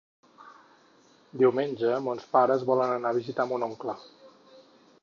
Diumenge mons pares volen anar a visitar mon oncle.